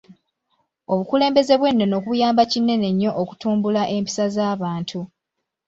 Obukulembeze bw'ennono buyamba kinene nnyo okutumbula empisa z'abantu.